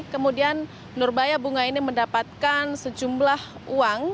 kemudian nurbaya bunga ini mendapatkan sejumlah uang